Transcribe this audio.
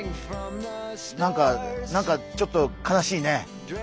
なんかなんかちょっと悲しいね。